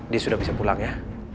dia sudah bisa pulang ya